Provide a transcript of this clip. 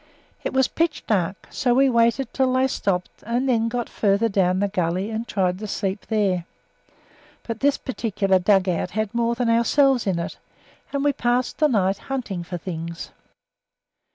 It was pitch dark, so we waited until they stopped, and then got further down the gully and tried to sleep there but this particular dug out had more than ourselves in it, and we passed the night hunting for things.